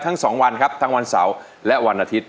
ทั้งสองวันครับทั้งวันเสาร์และวันอาทิตย์